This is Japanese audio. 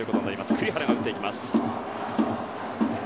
栗原が打っていきます。